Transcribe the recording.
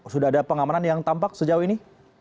sudah ada pengamanan yang tampak sejauh ini